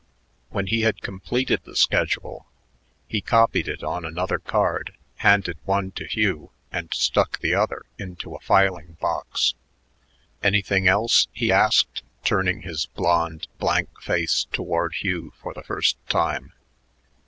When he had completed the schedule, he copied it on another card, handed one to Hugh, and stuck the other into a filing box. "Anything else?" he asked, turning his blond, blank face toward Hugh for the first time.